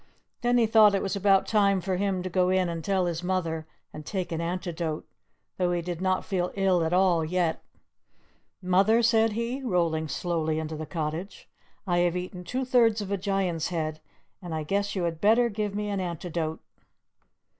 Then he thought it was about time for him to go in and tell his mother and take an antidote, though he did not feel ill at all yet. "Mother," said he, rolling slowly into the cottage, "I have eaten two thirds of a Giant's head, and I guess you had better give me an antidote."